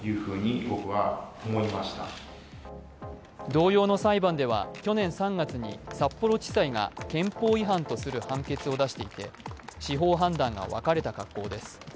同様の裁判では、去年３月に札幌地裁が憲法違反とする判決を出していて司法判断が分かれた格好です。